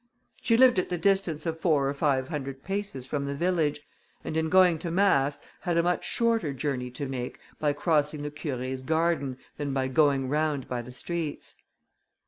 She lived at the distance of four or five hundred paces from the village, and in going to mass had a much shorter journey to make, by crossing the Curé's garden, than by going round by the streets.